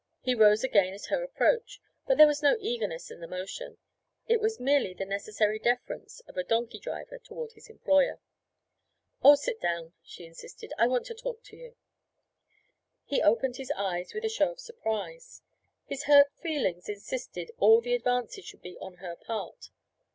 He rose again at her approach, but there was no eagerness in the motion; it was merely the necessary deference of a donkey driver toward his employer. 'Oh, sit down,' she insisted, 'I want to talk to you.' He opened his eyes with a show of surprise; his hurt feelings insisted that all the advances should be on her part.